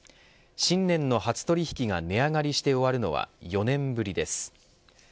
新年の初取引が値上がりして終わるのは４年ぶりです。